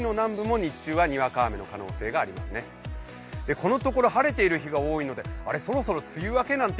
このところ晴れている日が多いので、あれ、そろそろ梅雨明け？なんて